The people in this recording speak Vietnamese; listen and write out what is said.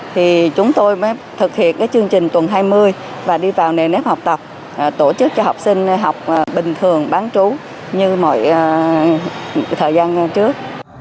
thì chúng tôi mới thực hiện chương trình tuần hai mươi và đi vào nền nếp học tập tổ chức cho học sinh học bình thường bán trú như mọi thời gian trước